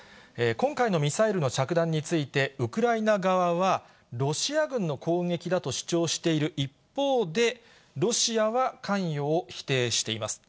今回のミサイルの着弾について、ウクライナ側は、ロシア軍の攻撃だと主張している一方で、ロシアは関与を否定しています。